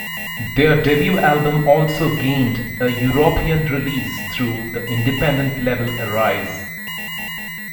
Their debut album also gained a European release through the independent label Arise.